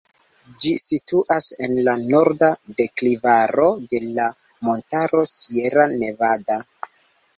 Ĝi situas en la norda deklivaro de la montaro Sierra Nevada.